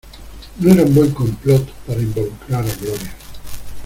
¡No era un buen complot para involucrar a Gloria!